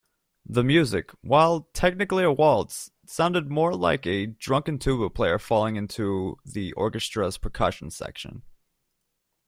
The music, while technically a waltz, sounded more like a drunken tuba player falling into the orchestra's percussion section.